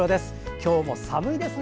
今日も寒いですね。